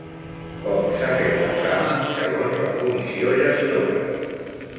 Com s'ha fet l'examen segons la comissió gestora?